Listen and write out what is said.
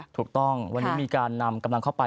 ถูกต้องวันนี้มีการนำกำลังเข้าไป